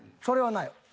それはない。